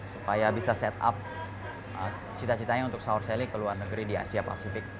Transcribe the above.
supaya bisa set up cita citanya untuk sahur selly ke luar negeri di asia pasifik